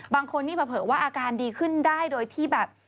บางคนนี่เผลอว่าอาการดีขึ้นได้โดยที่แบบ